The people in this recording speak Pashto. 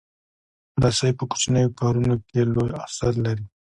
رسۍ په کوچنیو کارونو کې لوی اثر لري.